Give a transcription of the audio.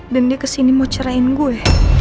dan dia kesini mau cerain gue